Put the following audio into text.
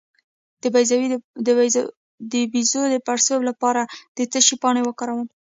د بیضو د پړسوب لپاره د څه شي پاڼه وکاروم؟